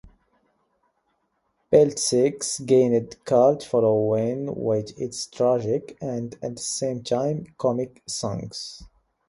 Peltsix gained cult following with its tragic, and at the same time, comic songs.